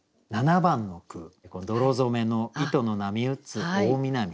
７番の句「泥染めの糸の波うつ大南風」。